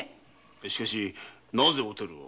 しかしなぜおてるを？